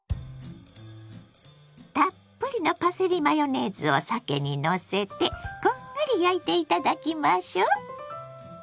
たっぷりのパセリマヨネーズをさけにのせてこんがり焼いていただきましょ。